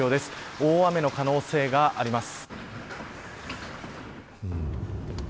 大雨の可能性があります。